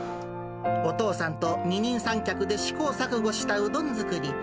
お父さんと二人三脚で試行錯誤したうどん作り。